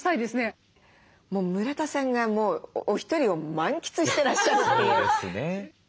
村田さんがもうお一人を満喫してらっしゃるっていう。